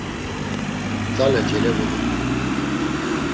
Tzale celevulurtu.